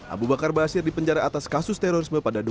abu bakar basir dipenjara atas kasus terorisme pada dua ribu